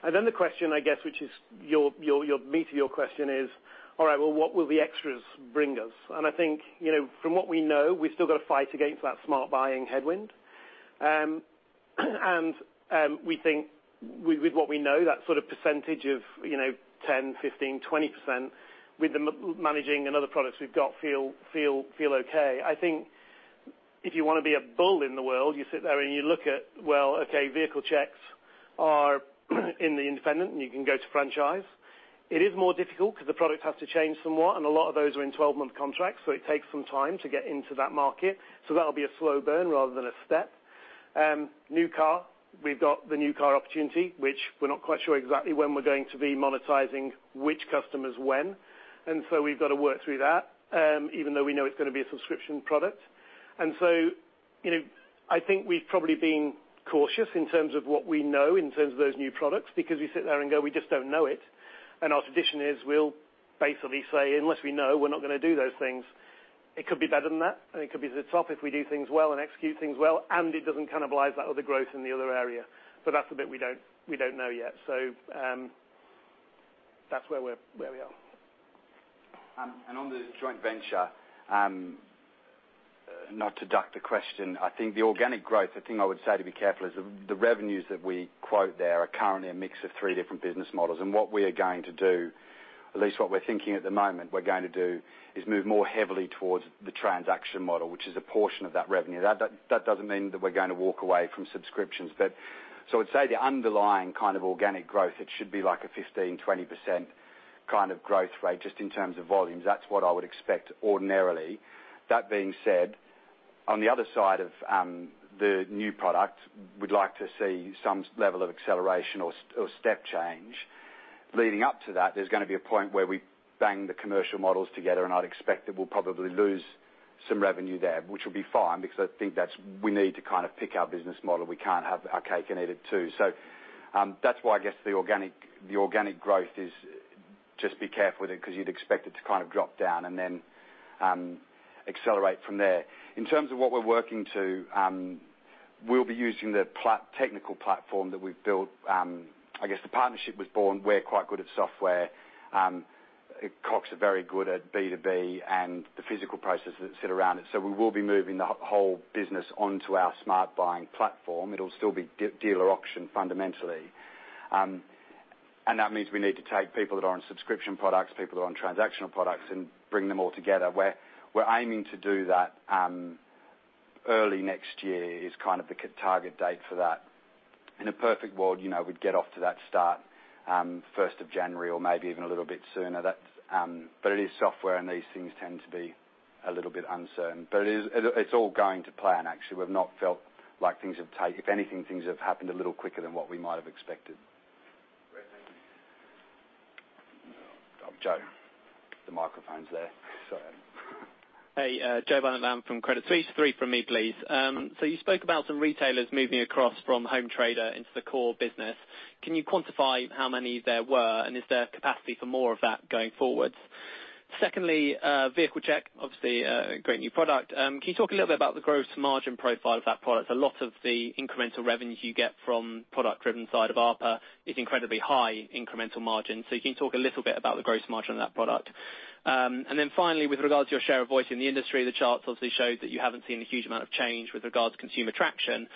The question, I guess, which is the meat of your question is, all right, well, what will the extras bring us? I think from what we know, we've still got to fight against that Smart Buying headwind. We think with what we know, that sort of percentage of 10%, 15%, 20% with the managing and other products we've got feel okay. I think if you want to be a bull in the world, you sit there and you look at, well, okay, vehicle checks are in the independent and you can go to franchise. It is more difficult because the product has to change somewhat, and a lot of those are in 12-month contracts, so it takes some time to get into that market. That'll be a slow burn rather than a step. New car, we've got the new car opportunity, which we're not quite sure exactly when we're going to be monetizing which customers when. We've got to work through that, even though we know it's going to be a subscription product. I think we've probably been cautious in terms of what we know in terms of those new products because we sit there and go, we just don't know it. Our tradition is we'll basically say, unless we know, we're not going to do those things. It could be better than that, and it could be the top if we do things well and execute things well, and it doesn't cannibalize that other growth in the other area. That's the bit we don't know yet. That's where we are. On the joint venture, not to duck the question, I think the organic growth, the thing I would say to be careful is the revenues that we quote there are currently a mix of three different business models. What we are going to do, at least what we're thinking at the moment we're going to do, is move more heavily towards the transaction model, which is a portion of that revenue. That doesn't mean that we're going to walk away from subscriptions. I'd say the underlying kind of organic growth, it should be like a 15%-20% kind of growth rate just in terms of volumes. That's what I would expect ordinarily. That being said, on the other side of the new product, we'd like to see some level of acceleration or step change. Leading up to that, there's going to be a point where we bang the commercial models together, and I'd expect that we'll probably lose some revenue there, which will be fine because I think we need to kind of pick our business model. We can't have our cake and eat it too. That's why I guess the organic growth is just be careful with it because you'd expect it to kind of drop down and then accelerate from there. In terms of what we're working to, we'll be using the technical platform that we've built. I guess the partnership was born. We're quite good at software. Cox are very good at B2B and the physical processes that sit around it. We will be moving the whole business onto our Smart Buying platform. It'll still be Dealer Auction fundamentally. That means we need to take people that are on subscription products, people that are on transactional products, and bring them all together. We're aiming to do that early next year is kind of the target date for that. In a perfect world, we'd get off to that start 1st of January or maybe even a little bit sooner. It is software and these things tend to be a little bit uncertain. It's all going to plan, actually. We've not felt like things have happened a little quicker than what we might have expected. Joe. The microphone's there. Sorry. Hey, Joe Valente from Credit Suisse. Three from me, please. You spoke about some retailers moving across from Auto Trader into the core business. Can you quantify how many there were, and is there capacity for more of that going forward? Secondly, Vehicle Check, obviously, a great new product. Can you talk a little bit about the gross margin profile of that product? A lot of the incremental revenue you get from product-driven side of ARPA is incredibly high incremental margin. Can you talk a little bit about the gross margin of that product? Finally, with regard to your share of voice in the industry, the charts obviously showed that you haven't seen a huge amount of change with regard to consumer traction.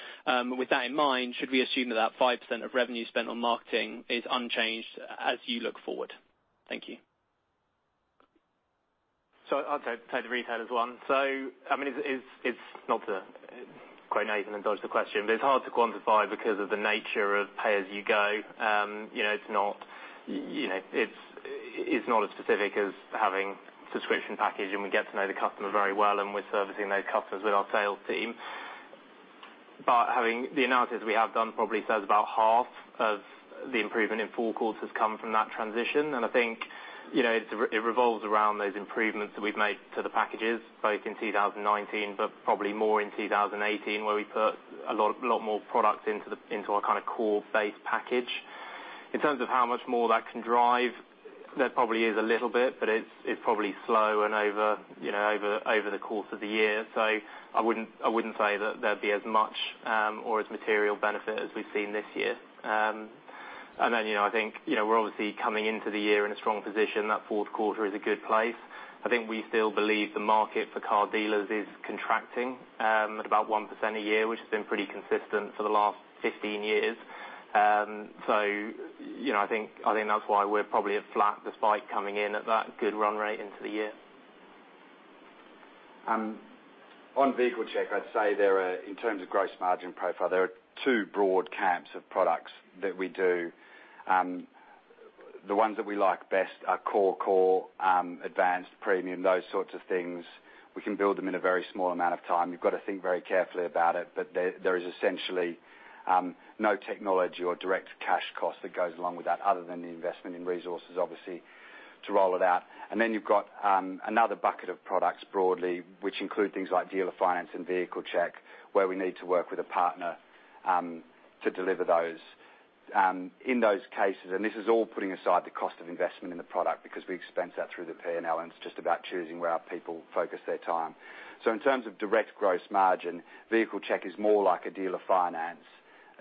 With that in mind, should we assume that that 5% of revenue spent on marketing is unchanged as you look forward? Thank you. I'll take the retailers one. It's not to quote Nathan and dodge the question, but it's hard to quantify because of the nature of pay-as-you-go. It's not as specific as having a subscription package, and we get to know the customer very well, and we're servicing those customers with our sales team. Having the analysis we have done probably says about half of the improvement in forecourts has come from that transition. I think it revolves around those improvements that we've made to the packages, both in 2019 but probably more in 2018, where we put a lot more product into our core base package. In terms of how much more that can drive, there probably is a little bit, but it's probably slow and over the course of the year. I wouldn't say that there'd be as much or as material benefit as we've seen this year. I think we're obviously coming into the year in a strong position. That fourth quarter is a good place. I think we still believe the market for car dealers is contracting at about 1% a year, which has been pretty consistent for the last 15 years. I think that's why we're probably at flat despite coming in at that good run rate into the year. On Vehicle Check, I'd say in terms of gross margin profile, there are two broad camps of products that we do. The ones that we like best are core, advanced, premium, those sorts of things. We can build them in a very small amount of time. You've got to think very carefully about it, but there is essentially no technology or direct cash cost that goes along with that other than the investment in resources, obviously, to roll it out. You've got another bucket of products broadly, which include things like dealer finance and vehicle check, where we need to work with a partner to deliver those. In those cases, this is all putting aside the cost of investment in the product because we expense that through the P&L, and it's just about choosing where our people focus their time. In terms of direct gross margin, vehicle check is more like a dealer finance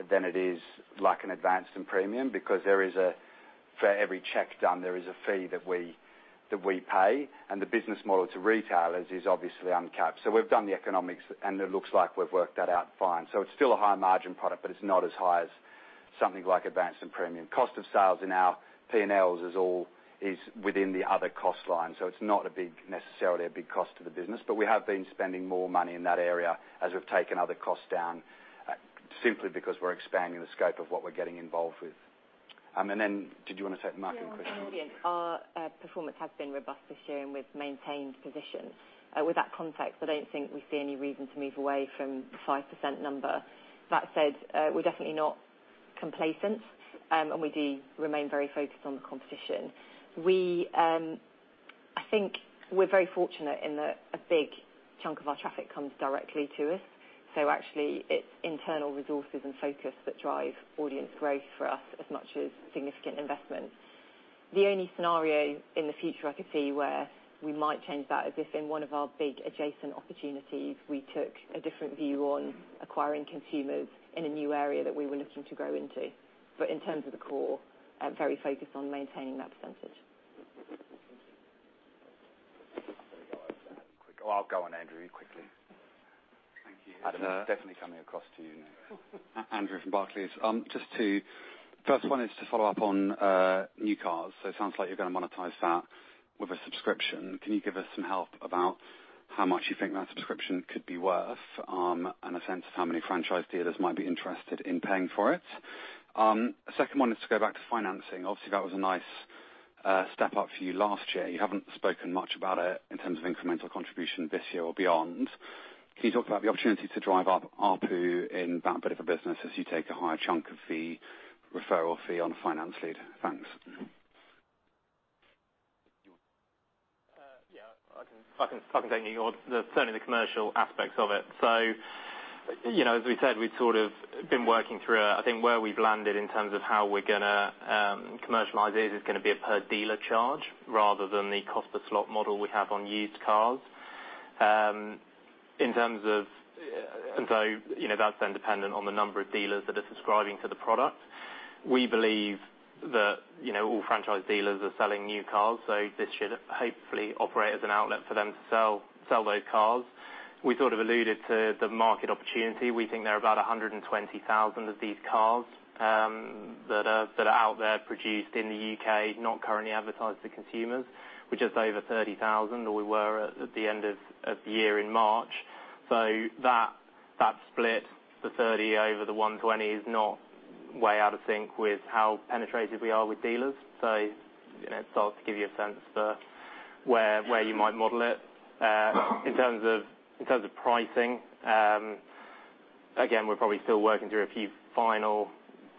than it is like an advanced and premium because for every check done, there is a fee that we pay, and the business model to retailers is obviously uncapped. We've done the economics, and it looks like we've worked that out fine. It's still a high margin product, but it's not as high as something like advanced and premium. Cost of sales in our P&Ls is within the other cost line. It's not necessarily a big cost to the business. We have been spending more money in that area as we've taken other costs down, simply because we're expanding the scope of what we're getting involved with. Did you want to take the marketing question? Sure. Audience, our performance has been robust this year, and we've maintained position. With that context, I don't think we see any reason to move away from the 5% number. That said, we're definitely not complacent, and we do remain very focused on the competition. I think we're very fortunate in that a big chunk of our traffic comes directly to us. Actually, it's internal resources and focus that drive audience growth for us as much as significant investment. The only scenario in the future I could see where we might change that is if in one of our big adjacent opportunities, we took a different view on acquiring consumers in a new area that we were looking to grow into. In terms of the core, I'm very focused on maintaining that percentage. I'm going to go after that quick. I'll go on Andrew quickly. Thank you. Adam, definitely coming across to you next. Andrew from Barclays. First one is to follow up on new cars. It sounds like you're going to monetize that with a subscription. Can you give us some help about how much you think that subscription could be worth, and a sense of how many franchise dealers might be interested in paying for it? Second one is to go back to financing. Obviously, that was a nice step up for you last year. You haven't spoken much about it in terms of incremental contribution this year or beyond. Can you talk about the opportunity to drive up ARPU in that bit of a business as you take a higher chunk of fee, referral fee on finance lead? Thanks. You want? Yeah. I can take new or certainly the commercial aspects of it. As we said, we've sort of been working through, I think, where we've landed in terms of how we're going to commercialize it is going to be a per dealer charge rather than the cost per slot model we have on used cars. That's then dependent on the number of dealers that are subscribing to the product. We believe that all franchise dealers are selling new cars, so this should hopefully operate as an outlet for them to sell those cars. We sort of alluded to the market opportunity. We think there are about 120,000 of these cars that are out there produced in the U.K., not currently advertised to consumers, which is over 30,000, or we were at the end of the year in March. That split, the 30 over the 120, is not way out of sync with how penetrated we are with dealers. It starts to give you a sense for where you might model it. In terms of pricing. Again, we're probably still working through a few final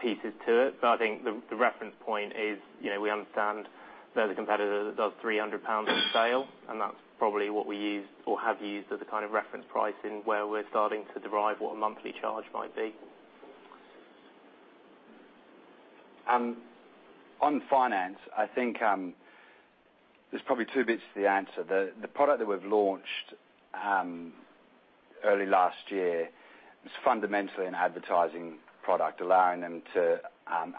pieces to it. I think the reference point is, we understand there's a competitor that does 300 pounds on sale, and that's probably what we use or have used as a kind of reference price in where we're starting to derive what a monthly charge might be. On finance, I think, there's probably two bits to the answer. The product that we've launched early last year is fundamentally an advertising product, allowing them to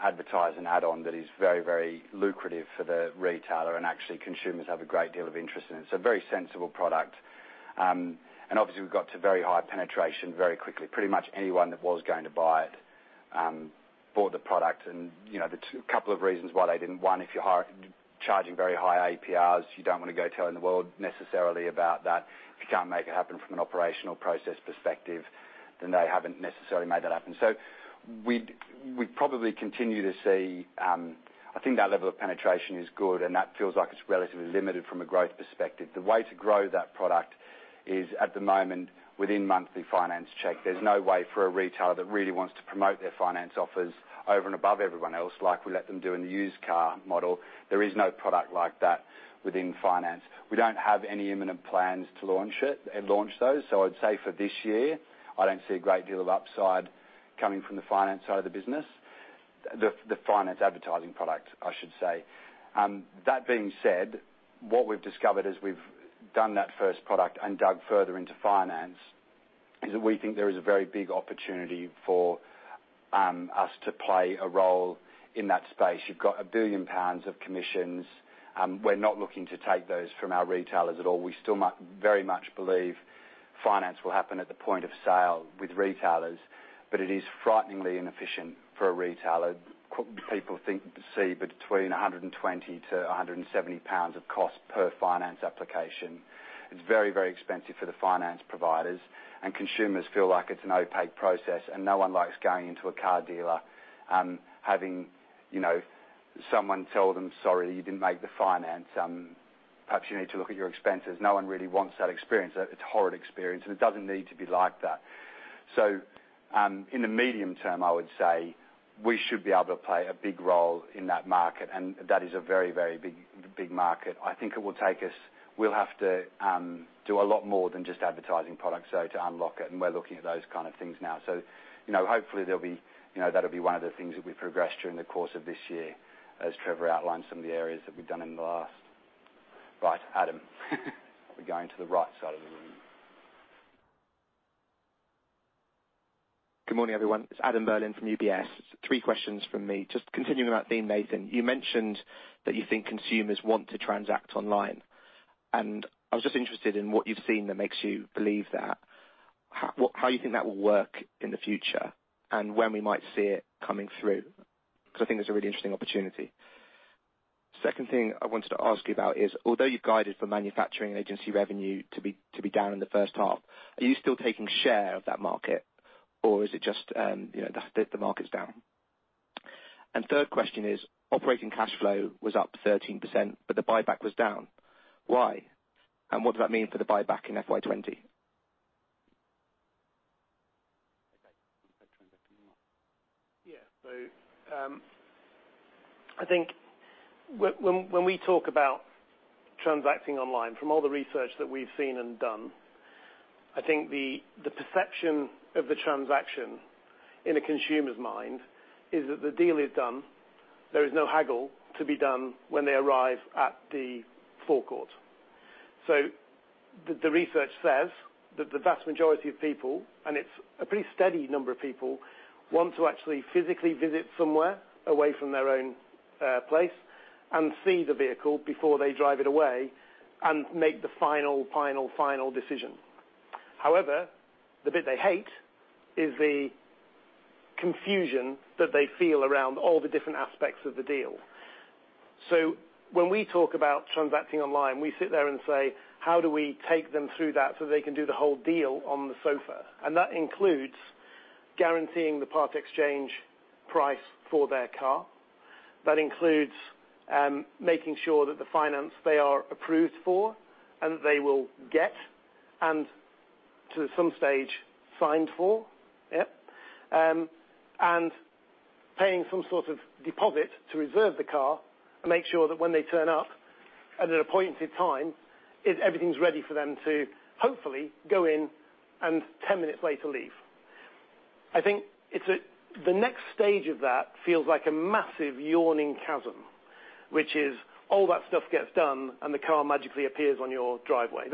advertise an add-on that is very lucrative for the retailer, and actually, consumers have a great deal of interest in it. A very sensible product. Obviously, we've got to very high penetration very quickly. Pretty much anyone that was going to buy it, bought the product. There's a couple of reasons why they didn't. One, if you're charging very high APRs, you don't want to go telling the world necessarily about that. If you can't make it happen from an operational process perspective, then they haven't necessarily made that happen. We'd probably continue to see, I think that level of penetration is good, and that feels like it's relatively limited from a growth perspective. The way to grow that product is at the moment, within monthly finance check. There's no way for a retailer that really wants to promote their finance offers over and above everyone else like we let them do in the used car model. There is no product like that within finance. We don't have any imminent plans to launch those. I'd say for this year, I don't see a great deal of upside coming from the finance side of the business. The finance advertising product, I should say. That being said, what we've discovered as we've done that first product and dug further into finance is that we think there is a very big opportunity for us to play a role in that space. You've got 1 billion pounds of commissions. We're not looking to take those from our retailers at all. We still very much believe finance will happen at the point of sale with retailers, it is frighteningly inefficient for a retailer. People think you can save between 120-170 pounds of cost per finance application. It's very expensive for the finance providers, consumers feel like it's an opaque process, no one likes going into a car dealer having someone tell them, "Sorry, you didn't make the finance. Perhaps you need to look at your expenses." No one really wants that experience. It's a horrid experience, it doesn't need to be like that. In the medium term, I would say we should be able to play a big role in that market, that is a very big market. We'll have to do a lot more than just advertising products, though, to unlock it, and we're looking at those kind of things now. Hopefully that'll be one of the things that we progress during the course of this year, as Trevor outlined some of the areas that we've done in the last. Right, Adam. We're going to the right side of the room. Good morning, everyone. It's Adam Berlin from UBS. 3 questions from me. Just continuing that theme, Nathan, you mentioned that you think consumers want to transact online. I was just interested in what you've seen that makes you believe that. How you think that will work in the future, and when we might see it coming through. I think there's a really interesting opportunity. Second thing I wanted to ask you about is, although you've guided for manufacturing agency revenue to be down in the first half, are you still taking share of that market or is it just that the market's down? Third question is, operating cash flow was up 13%, the buyback was down. Why? What does that mean for the buyback in FY 2020? Okay. Transacting online. Yeah. I think when we talk about transacting online, from all the research that we've seen and done, I think the perception of the transaction in a consumer's mind is that the deal is done. There is no haggle to be done when they arrive at the forecourt. The research says that the vast majority of people, and it's a pretty steady number of people, want to actually physically visit somewhere away from their own place and see the vehicle before they drive it away and make the final decision. However, the bit they hate is the confusion that they feel around all the different aspects of the deal. When we talk about transacting online, we sit there and say, "How do we take them through that so they can do the whole deal on the sofa?" That includes guaranteeing the part exchange price for their car. That includes making sure that the finance they are approved for and that they will get and to some stage signed for. Yep. Paying some sort of deposit to reserve the car and make sure that when they turn up at an appointed time, everything's ready for them to hopefully go in and 10 minutes later leave. I think the next stage of that feels like a massive yawning chasm, which is all that stuff gets done and the car magically appears on your driveway.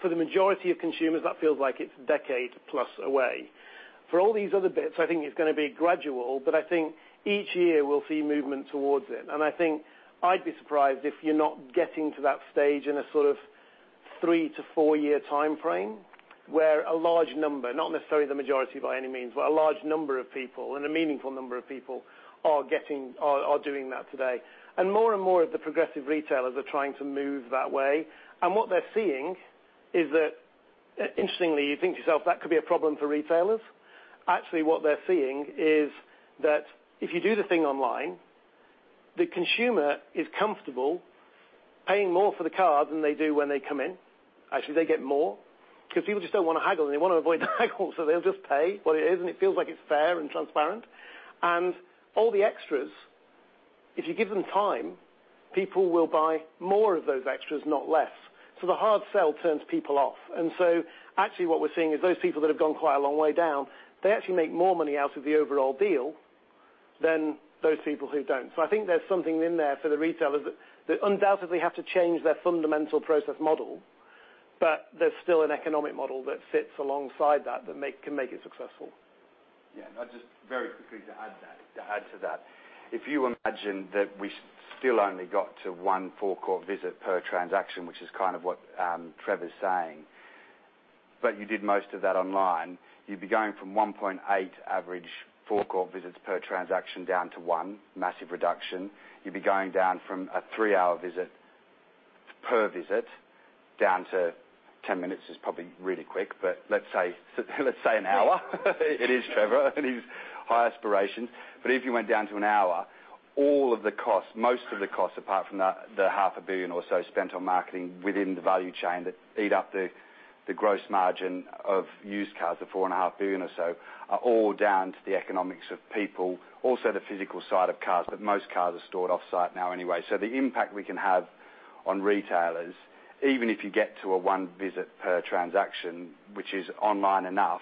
For the majority of consumers, that feels like it's decade plus away. For all these other bits, I think it's going to be gradual, but I think each year we'll see movement towards it. I think I'd be surprised if you're not getting to that stage in a sort of three to four-year timeframe, where a large number, not necessarily the majority by any means, but a large number of people and a meaningful number of people are doing that today. More and more of the progressive retailers are trying to move that way. What they're seeing is that, interestingly, you think to yourself, that could be a problem for retailers. Actually, what they're seeing is that if you do the thing online The consumer is comfortable paying more for the car than they do when they come in. Actually, they get more because people just don't want to haggle, and they want to avoid the haggle, so they'll just pay what it is, and it feels like it's fair and transparent. All the extras, if you give them time, people will buy more of those extras, not less. The hard sell turns people off. Actually, what we're seeing is those people that have gone quite a long way down, they actually make more money out of the overall deal than those people who don't. I think there's something in there for the retailers that undoubtedly have to change their fundamental process model, but there's still an economic model that sits alongside that can make it successful. Yeah. Just very quickly to add to that. If you imagine that we still only got to one forecourt visit per transaction, which is kind of what Trevor's saying, but you did most of that online, you'd be going from 1.8 average forecourt visits per transaction down to one, massive reduction. You'd be going down from a three-hour visit per visit down to 10 minutes is probably really quick. Let's say an hour. It is Trevor and his high aspirations. If you went down to an hour, all of the costs, most of the costs apart from the half a billion GBP or so spent on marketing within the value chain that eat up the gross margin of used cars of four and a half billion GBP or so, are all down to the economics of people. The physical side of cars, most cars are stored off-site now anyway. The impact we can have on retailers, even if you get to a one visit per transaction, which is online enough,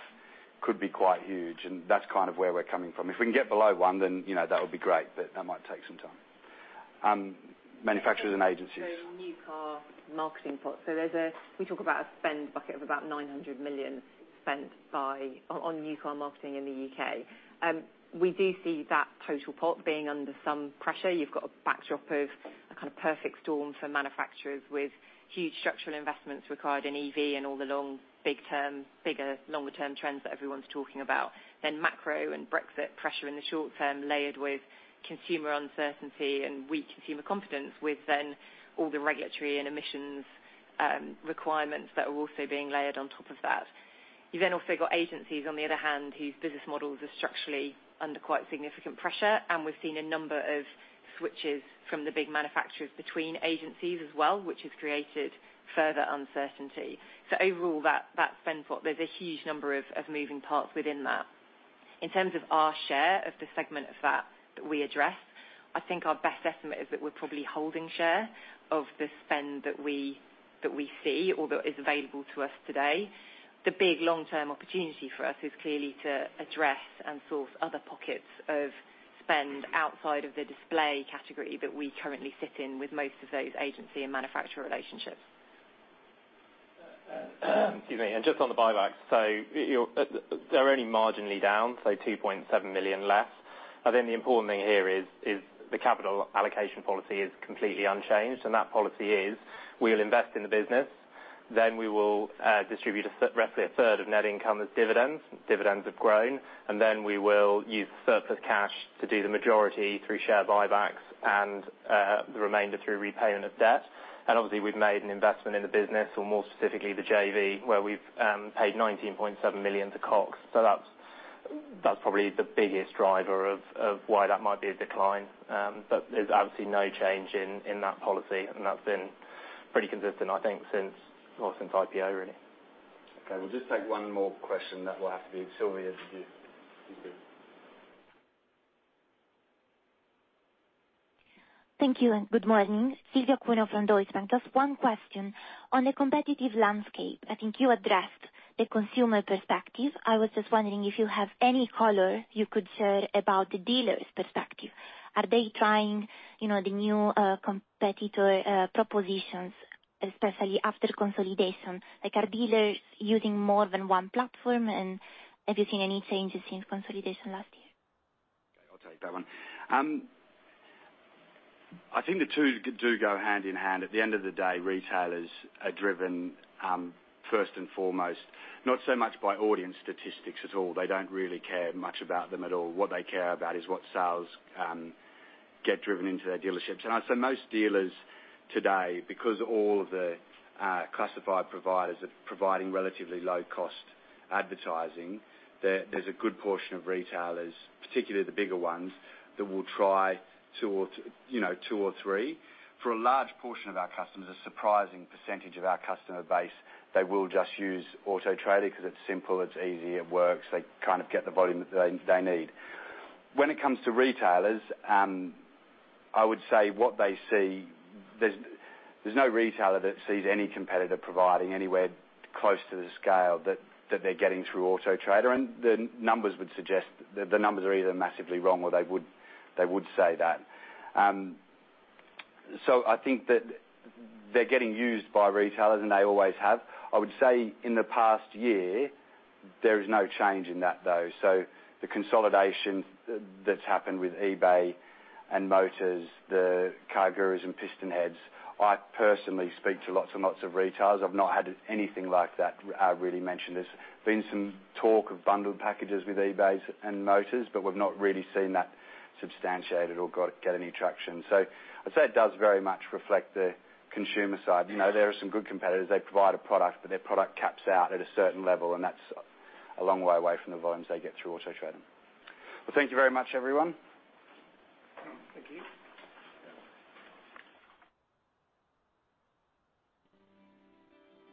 could be quite huge, and that's kind of where we're coming from. If we can get below one, that would be great, but that might take some time. Manufacturers and agencies. The new car marketing pot. We talk about a spend bucket of about 900 million spent on new car marketing in the U.K. We do see that total pot being under some pressure. You've got a backdrop of a kind of perfect storm for manufacturers with huge structural investments required in EV and all the long, bigger, longer-term trends that everyone's talking about. Macro and Brexit pressure in the short term, layered with consumer uncertainty and weak consumer confidence, with all the regulatory and emissions requirements that are also being layered on top of that. You've also got agencies, on the other hand, whose business models are structurally under quite significant pressure, and we've seen a number of switches from the big manufacturers between agencies as well, which has created further uncertainty. Overall, that spend pot, there's a huge number of moving parts within that. In terms of our share of the segment of that that we address, I think our best estimate is that we're probably holding share of the spend that we see or that is available to us today. The big long-term opportunity for us is clearly to address and source other pockets of spend outside of the display category that we currently sit in with most of those agency and manufacturer relationships. Excuse me. Just on the buybacks, they're only marginally down, 2.7 million less. I think the important thing here is the capital allocation policy is completely unchanged, and that policy is we'll invest in the business, we will distribute roughly a third of net income as dividends. Dividends have grown. We will use surplus cash to do the majority through share buybacks and the remainder through repayment of debt. We've made an investment in the business, or more specifically, the JV, where we've paid 19.7 million to Cox. That's probably the biggest driver of why that might be a decline. There's obviously no change in that policy, and that's been pretty consistent, I think since IPO, really. We'll just take one more question. That will have to be Silvia. You're good. Thank you, good morning. Silvia Cuneo from Deutsche Bank. Just one question. On the competitive landscape, I think you addressed the consumer perspective. I was just wondering if you have any color you could share about the dealer's perspective. Are they trying the new competitor propositions, especially after consolidation? Are dealers using more than one platform? Have you seen any changes since consolidation last year? I'll take that one. I think the two do go hand in hand. At the end of the day, retailers are driven first and foremost, not so much by audience statistics at all. They don't really care much about them at all. What they care about is what sales get driven into their dealerships. I'd say most dealers today, because all of the classified providers are providing relatively low-cost advertising, there's a good portion of retailers, particularly the bigger ones, that will try two or three. For a large portion of our customers, a surprising percentage of our customer base, they will just use Auto Trader because it's simple, it's easy, it works. They kind of get the volume that they need. When it comes to retailers, I would say there's no retailer that sees any competitor providing anywhere close to the scale that they're getting through Auto Trader. The numbers would suggest that the numbers are either massively wrong or they would say that. I think that they're getting used by retailers, and they always have. I would say in the past year, there is no change in that, though. The consolidation that's happened with eBay and Motors, the CarGurus and PistonHeads, I personally speak to lots and lots of retailers. I've not had anything like that really mentioned. There's been some talk of bundled packages with eBay and Motors, we've not really seen that substantiated or got any traction. I'd say it does very much reflect the consumer side. There are some good competitors. They provide a product, their product caps out at a certain level, and that's a long way away from the volumes they get through Auto Trader. Thank you very much, everyone. Thank you.